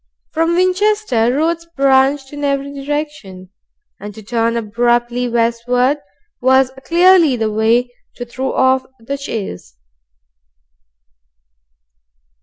From Winchester, roads branch in every direction, and to turn abruptly westward was clearly the way to throw off the chase.